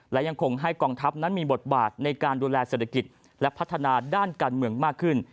และยังคงให้กองทัพนั้นมีบทบาทในการดูแลเศรษฐกิจและพัฒนาด้านการเมืองมากขึ้น